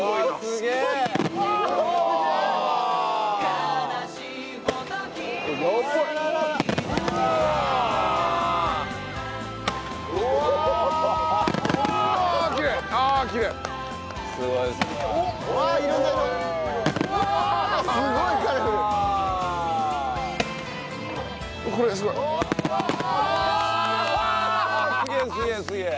すげえすげえすげえ！